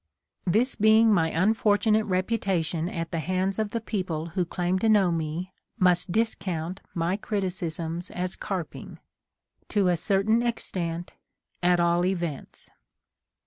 This being my unfortunate rep utation at the hands of the people who claim to know me must discount my criticisms as carping — to a certain extent, at all events.